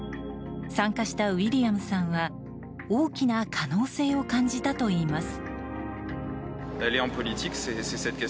参加したウィリアムさんは大きな可能性を感じたといいます。